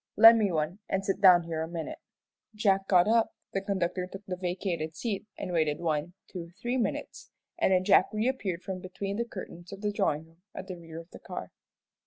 "Lend me one, and sit down here a minute." Jack got up, the conductor took the vacated seat, and waited one, two, three minutes, and then Jack reappeared from between the curtains of the drawing room at the rear of the car.